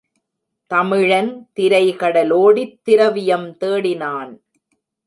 தமிழன் திரை கடலோடித் திரவியம் தேடினான்.